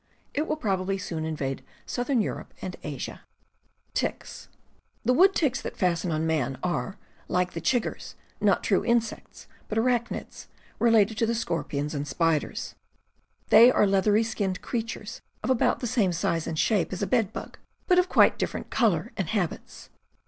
It will probably soon invade southern Europe and Asia. The wood ticks that fasten on man are, like the chiggers, not true insects, but arachnids, related to _,., the scorpions and spiders. They are leathery skinned creatures of about the same size and shape as a bedbug, but of quite different color and habits.